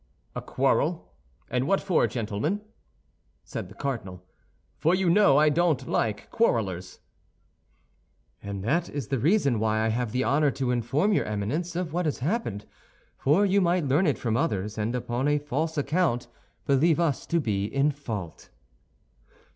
"A quarrel, and what for, gentlemen?" said the cardinal; "you know I don't like quarrelers." "And that is the reason why I have the honor to inform your Eminence of what has happened; for you might learn it from others, and upon a false account believe us to be in fault."